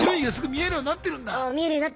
見えるようになってるんですよ。